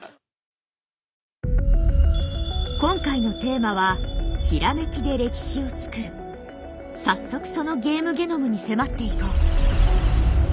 今回のテーマは早速そのゲームゲノムに迫っていこう。